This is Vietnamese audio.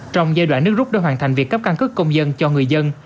trong giai đoạn nước rút đã hoàn thành việc cấp căn cứ công dân cho người dân